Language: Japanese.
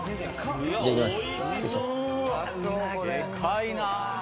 いただきます。